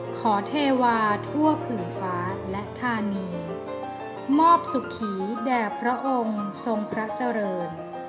เทวาทั่วผื่นฟ้าและธานีมอบสุขีแด่พระองค์ทรงพระเจริญ